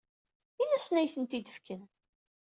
Ini-asen ad iyi-ten-id-fken.